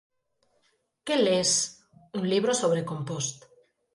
Que les? Un libro sobre compost.